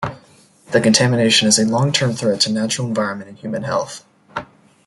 The contamination is a long-term threat to natural environment and human health.